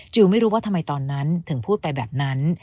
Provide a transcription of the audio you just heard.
ไม่รู้ว่าทำไมตอนนั้นถึงพูดไปแบบนั้น